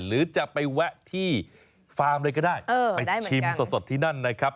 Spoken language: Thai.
หรือจะไปแวะที่ฟาร์มเลยก็ได้ไปชิมสดที่นั่นนะครับ